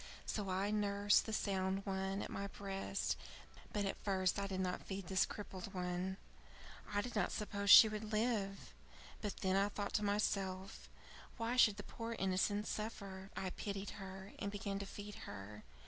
So I nursed the sound one at my breast, but at first I did not feed this crippled one. I did not suppose she would live. But then I thought to myself, why should the poor innocent suffer? I pitied her, and began to feed her.